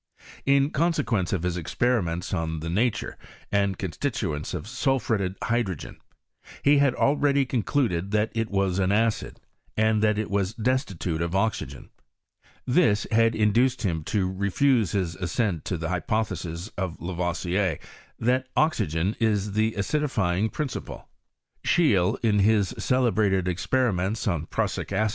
In consequence of his ex periments on the nature and constituents of sul phuretted hydrogen, he had already concluded that It was an acid, aiid that it was destitute of oxygen : this had induced him to refuse his assent to the hypothesis of Lavoisier, that oxygen is the acidifying principle. Scheele, in his celebrated experiments on prussic ac!